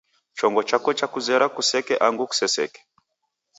Chongo chako chakuzera kuseke angu kuseseke.